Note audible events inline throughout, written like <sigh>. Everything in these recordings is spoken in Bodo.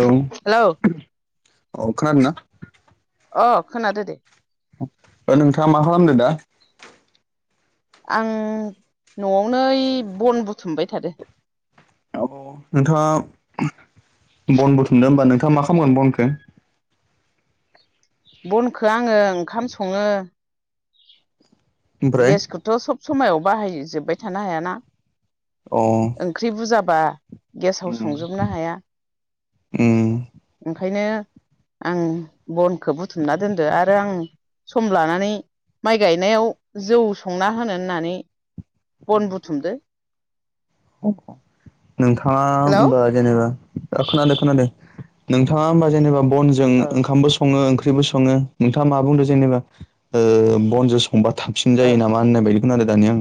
औ हेलौ औ खोनादों ना? अ खोनादो दे। ओ नोंथाङा मा खालामदो दा? आं न'आवनो औइ बन बुथुमबाय थादो। औ नोंथाङा बन बुथुमदो होमबा नोंथाङा मा खामगोन बनखो? बनखौ आङो ओंखाम सङो। ओमफ्राय गेसखोथ' सब समायाव बाहायजोबबाय थानो हायाना। औ। ओंख्रि बुरजाबा गेसाव संजोबनो हाया। ओम। ओंखायनो आं बनखौ बुथुमना दोनदो आरो आं सम लानानै माइ गायनायाव जौ संना होनो होननानै बन‌ बुथुमदो। <unintelligible> नोंथाङा हेलौ होमबा जेनेबा ओ खोनादो खोनादो नोंथाङा हमबा जेनेबा बनजों ओ ओंखामबो स सङो ओंख्रिबो सङो नोंथाङा मा बुंदों जेनेबा ओ बनजों संबा थाबसिन ओ जायो नामा होननाय बायदि खोनादो दानि आं।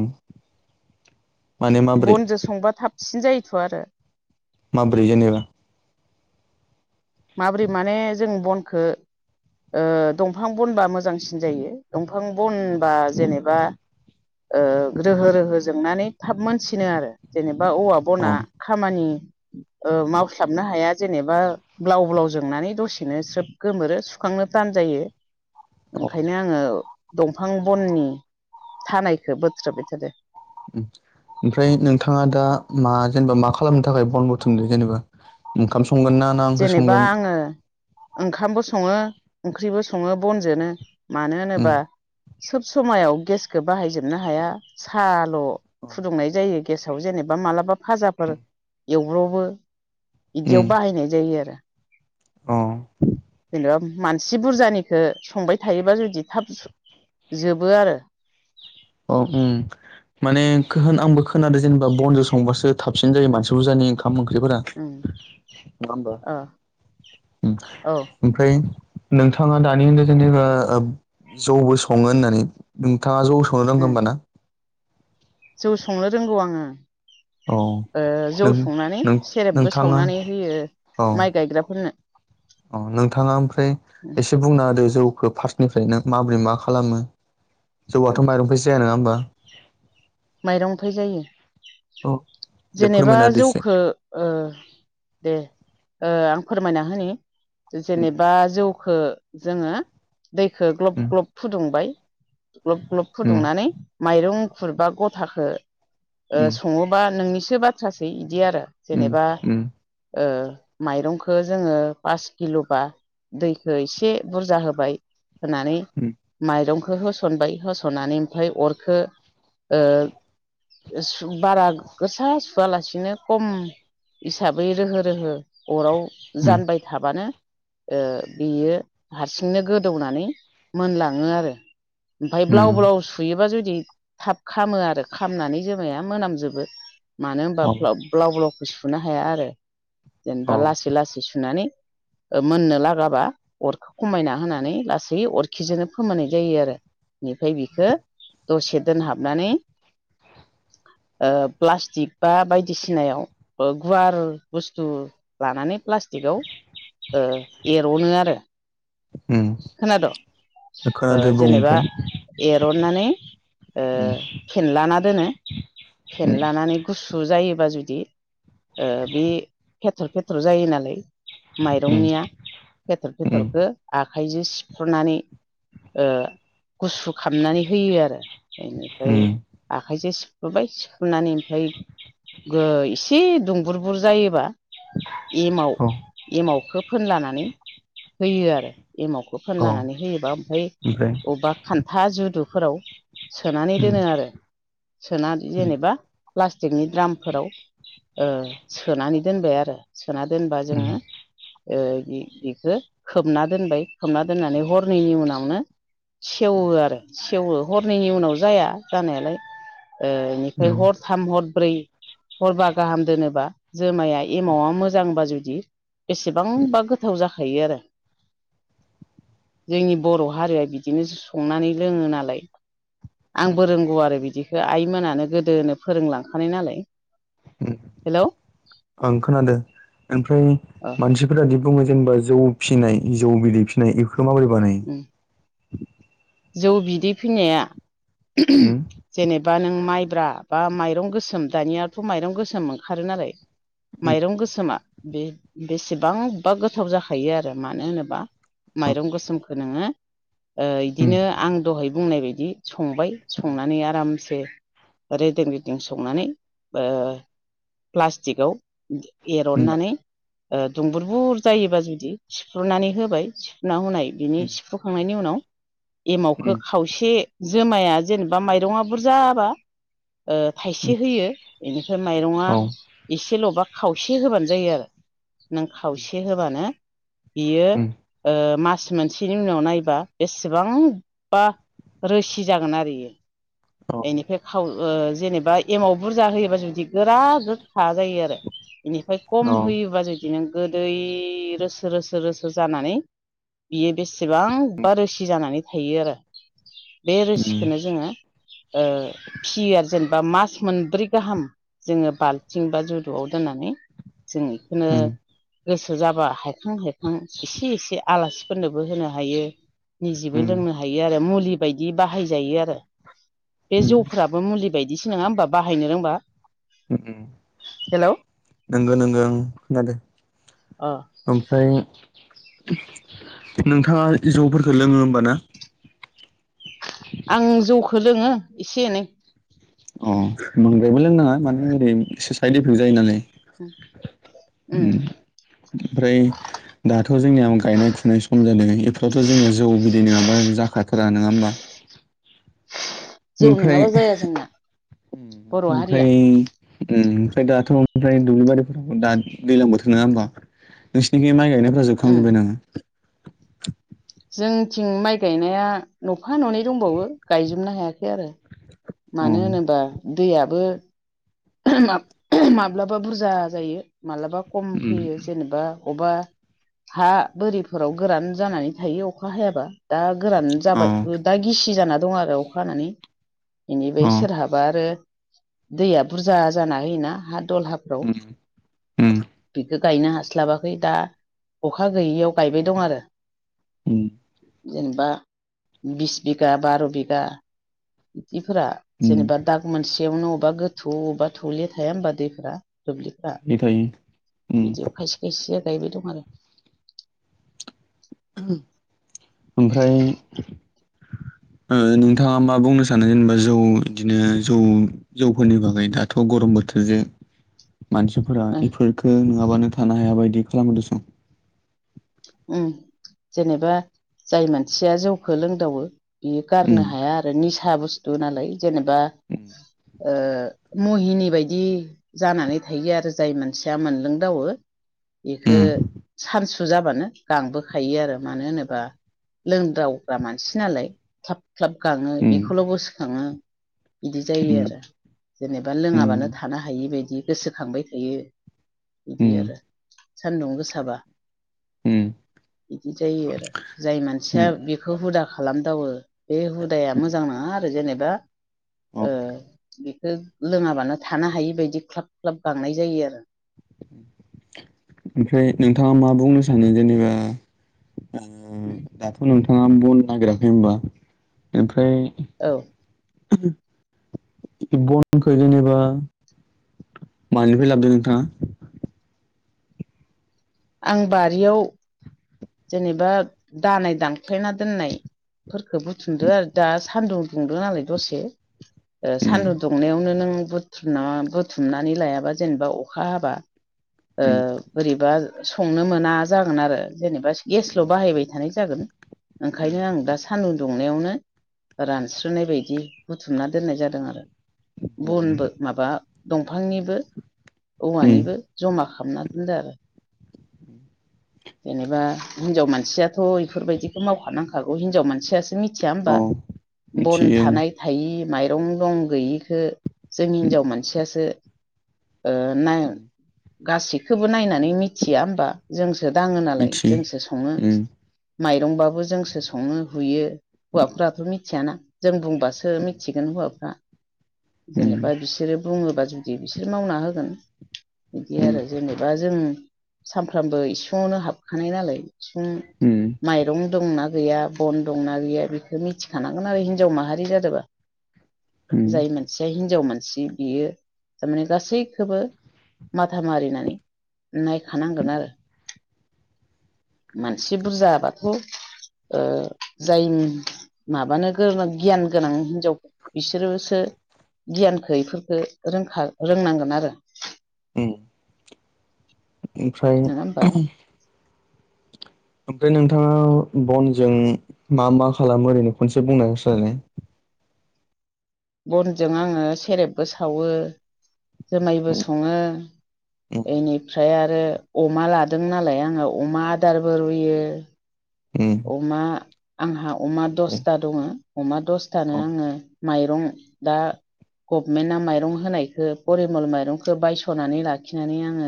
माने माबोरै बनजो संबा थाबसि जायोथ' आरो। माबोरै जेनेबा? माब्रै माने जों बनखो ओ दंफां बनबा मोजांसिन जायो। दंफां बनबा जेनेबा ओ रोहो रोहो जोंनानै थाब मोनसिनो आरो जेनेबा औवा अ बना खामानि ओ मावस्लाबनो हाया जेनेबा ब्लाव ब्लाव जोंनानै दसेनो स्रोब गोमोरो सुखांनो तान जायो। ओंखायनो अ आङो दंफां बननि थानायखौ बोथ्रोबाय थादो। ओम ओमफ्राय नोंथाङा दा मा जेनेबा मा खालामनो थाखाय बन बुथुमदो जेनेबा? ओंखाम संगोन ना ना ओंख्रि जेनेबा संगोन? आङो ओंखामबो सङो ओंख्रिबो सङो बनजोनो मानो उम होनोबा सोब समायाव गेसखौ बाहायजोबनो हाया साल' फुदुंनाय जायो गेसाव जेनेबा मालाबा फाजाफोर एवब्र'बो उम इदियाव बाहायनाय जायो आरो। अ जेनेबा मानसि बुरजानिखो संबाय थायोबा जुदि थाब जोबो आरो। औ ओम माने खोहोन आंबो खोनादों जेनेबा बनजों संबासो थाबसिन जायो मानसि बुरजानि ओंखाम ओंख्रिफोरा नङा होमबा अ ओम औ ओमफ्राय नोंथाङा दानि होनदो जेनेबा ओब जौबो सङो होननानै नोंथाङा जौ संनो रोंगो होमबा ना जौ संनो रोंगौ आङो‌। औ ओ जौ नों संनानै नों सेरेबबो नोंथाङा सावनानै होयो। माइ गायग्राफोरनो अ नोंथाङा ओमफ्राय एसे बुंना होदो जौखौ फार्स्ट निफ्रायनो माबोरै मा खालामो जौआथ' माइरं फायसो जाया नङा होमबा? माइरंनिफाय जायो औ दे जेनेबा फोरमायना होदो एसे जौखो ओ दे ओ आं फोरमायना होनि उम जेनेबा जौखो जोङो दैखो ग्लब ग्लब फुदुंबाय ग्लब ग्लब उम फुदुंनानै माइरंखुरबा गथाखो ओ उम सङोबा नोंनिसो बाथ्रासै इदि आरो उम जेनेबा उम ओ माइरंखो जोङो पास किल'बा दैखो इसे बुरजा होबाय होनानै माइरंखो होसनबाय होसननानै ओमफाय अरखो ओ सु बारा गोसा सुवालासिनो खम इसाबै रोहो रोहो अराव उम जानबाय थाबानो ओ बियो हारसिंनो गोदौनानै मोनलाङो आरो ओमफाय उम ब्लाव उम ब्लाव सुयोबा जुदि थाब खामो आरो खामनानै जोमाया मोनामजोबो मानो होनबा औ फ्लाब ब्लाव ब्लाव खौ सुनो हाया आरो औ जेनेबा लासै लासै सुनानै ओ मोननो लागाबा अरखौ खमायना होनानै लासै अरखिजोंनो फोमोननाय जायो आरो निफाय बिखो दसे दोनहाबनानै ओ प्लास्टिक बा बायदिसिनायाव ओ गुवार बुस्थु लानानै प्लास्टिकआव ओ एर'नो आरो उम खोनाद' ओ खोनादो बुं जेनेबा ओमफ्राय एरननानै ओ उम फेनलाना दोनो उम फेनलानानै गुसु जायोबा जुदि ओ बे फेथर फेथर जायो नालाय माइरंनिया फेथर उम उम फेथरखो आखाइजों सिफ्र'नानै ओ गुसु खामनानै होयो आरो इनिफ्राय उम आखाइजों सिफ्रुबाय सिफ्रुनानै ओमफाय गो इसे दुंबुर बुर जायोबा एमाव औ एमावखौ फोनलानानै होयो आरो एमावख औ फोनलानानै होयोबा ओमफाय ओमफ्राय अबबा खान्था जुदुफोराव सोनानै उम दोनो आरो सोना उम जेनेबा प्लास्टिकनि द्रामफोराव ओ सोनानै दोनबाय आरो सोना दोनबा उम जोङो ओ इ इखो खोबना दोनबाय खोबना दोननानै हरनैनि उनावनो सेवो आरो सेवो हरनैनि उनाव जाया जानायालाय ओ इनिफाय उम हर थाम हर ब्रै हरबा गाहाम दोनोबा जोमाया एमावा मोजांबा जुदि बेसेबांबा गोथाव जाखायो आरो जोंनि बर' हारिया बिदिनो संनानै लोङो नालाय आंबो रोंगौ आरो बिदिखौ आइमोनानो गोदोनो फोरोंलांखानाय नालाय हेलौ <unintelligible> ओं खोनादो ओमफ्राय अ मानसि बेफोरादि बुङो जेनेबा जौ फिनाय जौ बिदै फिसिनाय बेफोरखौ माबोरै बानाय उम जौ बिदै फैनाया उम जेनेबा नों माइब्रा बा माइरं गोसोम दानियाथ' माइरं गोसोम ओंखारो नालाय उम माइरं गोसोमा बे बेसेबांबा गोथाव जाखायो आरो मानो होनोबा औ माइरं गोसोमखौ नोङो ओ उम बिदिनो आं दहाय बुंनाय बायदि संबाय संनानै आरामसे रेदें रेदें संनानै ओ प्लास्टिकआव उम एरनानै ओ दुंबुर बुर जायोबा जुदि सिफ्रुनानै होबाय सिफुना हुनाय बिनि उम सिफ्रुखांनायनि उनाव एमावखो उम खावसे जोमाया जेनेबा माइरंआ बुरजाबा ओ उम थाइसे होयो इनिफ्राय माइरङा औ इसेल'बा खावसे होबानो जायो आरो नों खावसे होबानो बियो उम ओ मास मोनसेनि उनाव नायबा बेसेबांबा रोसि जागोन आरो इयो औ एनिफाय खाव ओ जेनेबा एमाव बुरजा होयोबा जुदि गोरा गोखा जायो आरो बेनिफ्राय खम औ होयोबा जुदि बिदिनो गोदै रोसो रोसो रोसो जानानै बियो बेसेबांबा रोसि जानानै थायो आरो बे रोसिखौनो जोङो ओ फियो आरो जेनेबा मास मोनब्रै गाहाम जोङो बाल्थिं बा जुदुआव दोननानै जों बेखौनो उम गोसो जाबा हायखां हायखां एसे एसे आलासिफोरनोबो होनो हायो निजिबो उम लोंनो हायो आरो मुलि बायदि बाहायजायो आरो बे उम उम जौफोराबो मुलि बायदिसो नङा होमबा बाहायनो रोंबा उम उम हेलौ नंगौ नोंगौ खोनादो अ ओमफ्राय नोंथाङा जौफोरखौ लोङो होमबा ना आं जौखौ लोङो एसे एनै अ बांद्रायबो लोंनाङा मानो ओरै इसे साइद इफेक्ट जायो नालाय उम ओमफ्राय दाथ' जोंनिया गायनाय फुनाय सम जादों बेफोरावथ' जोंनिया जौ बिदै नङाबा जाखा थारा नङा होमबा जौ ओमफ्राय नङाबा जाया जोंना बर' हारिया ओमफ्राय ओम ओमफ्राय दाथ' ओमफ्राय दुब्लि बारिफोराव दा दैज्लां बोथोर नङा होमबा नोंसिनिखै माइ गायनायफ्रा जोबखां उम जोब्बाय नामा जोंथिं माइ गायनाया न'फा न'नै दंबावो गायजोबनो हायाखै आरो अ मानो होनोबा दैयाबो माब्लाबा बुरजा जायो मालाबा खम उम फैयो जेनेबा अबेबा हा बोरिफोराव गोरान जानानै थायो अखा हायाबा दा गोरान अ जाबाय दा गिसि जाना दं आरो अखा हानानै अ बेनिफ्राय सोरहाब बा आरो दैया बुरजा जाना होयोना हा दलहाफ्राव उम उम बिखौ गायनो हास्लाबाखै दा अखा गैयियाव गायबाय दं आरो उम जेनेबा बिस बिगा बार' बिगा बिदिफोरा उम जेनेबा दाग मोनसेयावनो अबेबा गोथ थौबा थौलेया थाया होनबा दैफ्रा दुब्लिफ्रा थायो थायो उम बिदियाव खायसे एसेआ गायबाय दं आरो ओमफ्राय ओ नोंथाङा मा बुंनो सानो जेनेबा जौ बिदिनो जौ जौफोरनि बागै दाथ' गरम बोथोरजों मानसि फोरा आरो इफोरखो नङाबानो थानो हाया बायदि खालामो दसं ओम जेनेबा जाय मानसिया जौखौ लोंदावो बि गारनो उम हाया आरो निसा बुस्थु नालाय जेनेबा ओ महिनि बायदि जानानै थायो आरो जाय मानसिया मोनलोंदावो बेखो उम सानसु जाबानो गांबोखायो आरो मानो होनोबा लोंद्रावग्रा मानसि नालाय ख्लाब ख्लाब गाङो उम बेखौल' गोसोखाङो बिदि जायो उम आरो जेनेबा उम लोङाबानो थानो हायि बायदि गोसोखांबाय थायो बिदि उम आरो सान्दुं गोसाबा उम इदि जायो आरो जाय मानसिया उम बेखौ हुदा खालामदावो बे हुदाया मोजां नङा आरो जेनेबा अ ओ बेखौ लोङाबानो थानो हायि बादि ख्लाब ख्लाब गांनाय जायो आरो ओमफ्राय नोंथाङा मा बुंनो सानो जेनेबा ओ दाथ' नोंथां बिफाङा बन नागिराखै होनबा ओमफ्राय औ बनखौ जेनेबा मानिफाय लाबदों नोंथाङा आं बारियाव जेनेबा दालाय दानख्लायना दोननाय फोरखौ उम बुथुमदो आरो दा सान्दुं दुंदोनालाय दसे ओ सान्दुं उम दुंनायावनो नों बुथुमना बुथुमनानै लायाबा जेनेबा अखा हाबा ओ बोरैबा संनो मोना जागोन आरो जेनेबा उम गेसल' बाहायबाय थानाय जागोन ओंखायनो उम आं दा सानदुं दुंनायावनो रानस्रोनाय बायदि बुथुमना दोननाय जादों आरो बनबो माबा दंफांनिबो उम औवानिबो जमा खामना दोनदो आरो जेनेबा हिनजाव मानसियाथ' इफोरबायदिखौ मावखानांखागौ हिनजाव मानसियासो मिथि थिया ओमबा अ बन मिथियो ओं थानाय थायि माइरं दं गैयिखौ जोंनि उम हिनजाव मानसियासो ओ नाय उम गासैखौबो नायनानै मिथिया होमबा जोंसो दाङो नालाय मिथियो जोंसो सङो उम माइरंबाबो जोंसो सङो हुयो हौवाफ्राथ' मिथियाना जों बुंबासो मिथिगोन हौवाफ्रा जेनेबा उम बिसोरो बुङोबा जुदि बिसोर मावना होगोन बिदि उम आरो जेनेबा जों सामफ्रामबो इसिङावनो हाबखानाय नालाय इसिं उम माइरं दंना गैया बन दंना गैया बेखौ मिथिखानांगोन आरो हिनजाव माहारि जादोंबा उम जाय मानसिया हिनजाव मानसि बियो थारमाने गासैखोबो माथा मारिनानै नायखानांगोन आरो मानसि बुरजाबाथ' ओ जाय माबानो गोरों गियान गोनां हिनजावफोर बिसोरोसो गियानखौ इफोरखो रोंखा रोंनांगोन आरो ओम ओमफ्राय नङा होमबा ओमफ्राय नोंथाङा बनजों मा मा खालामो ओरैनो खनसे बुंनाय होसाय बनजों आङो सेरेबबो सावो जुमायबो उम सङो उम बेनिफ्राय आरो अमा लादों नालाय आङो अमा आदारबो रुयो उम अमा आंहा अमा दे दसथा दङ अमा अ दसथानो उम आङो माइरं दा गभमेन्टना माइरं होनायखौ परिमल माइरंखौ बायस'नानै लाखिनानै आङो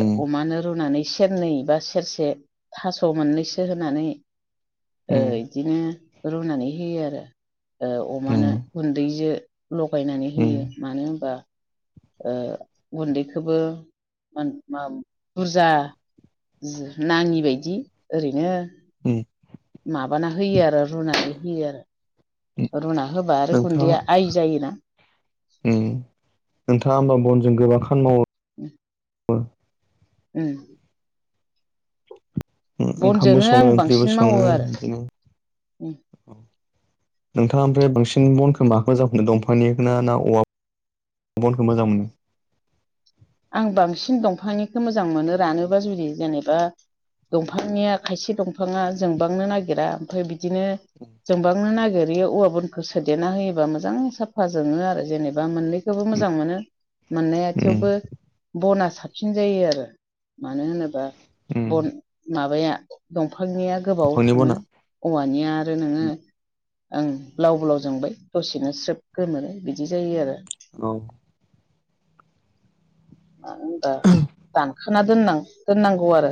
उम अमानो रुनानै सेरनै बा सेरसे थास' मोननैसो खो होनानै ओ उम इदिनो रुनानै होयो आरो ओ अमानो उम गुन्दैजो लगायनानै उम होयो मानो होनबा ओ गुन्दैखोबो मोन मा बुरजा <unintelligible> नाङि बायदि ओरैनो उम माबाना होयो आरो रुनानै होयो आरो रुना होबा आरो गुन्दैया आइ जायोना अम नोंथाङा होमबा बनजों गोबां खामानि मावो उ उम ओम ओंखामबो बनजोंनो आं सङो ओंख्रिबो बांसिन मावो सङो आरो बिदिनो नोंथाङा ओमफ्राय बांसिन बनखौ माखौ मोजां मोनो दंफांनिखौ ना औवा बनखौ मोजां मोनो आं बांसिन दंफांनिखो मोजां मोनो रानोबा जुदि जेनेबा दंफांनिया खायसे दंफाङा जोंबांनो नागिरा ओमफ्राय बिदिनो जोंबांनो नागिर बेयो औवा बनखो सोदेरना होयोबा मोजां साफा जोङो आरो जेनेबा मोननै खौबो उम मोजां मोनो मोननाया उम थेवबो बना साबसिन जायो आरो मानो होनोबा उम बन माबाया दंफांनिया गोबाव दंफांनि थाङो बना औवानिया आरो नोङो आं ब्लाव-ब्लाव जोंबाय दसेनो स्रोब गोमोरो बिदि जायो आरो औ मानो होनबा दानखाना दोनां दोननांगौ आरो